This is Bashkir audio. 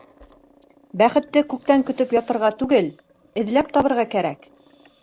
Бәхетте күктән көтөп ятырға түгел, эҙләп табырға кәрәк.